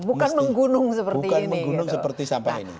bukan menggunung seperti ini